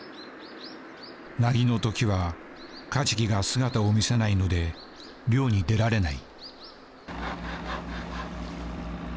凪のときはカジキが姿を見せないので漁に出られない。